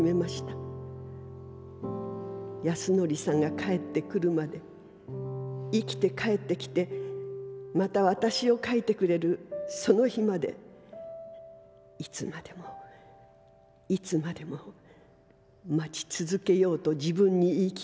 安典さんが還ってくるまで生きて還ってきてまた私を描いてくれるその日までいつまでもいつまでも待ち続けようと自分にいいきかせたのです」。